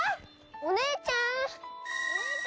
お姉ちゃん！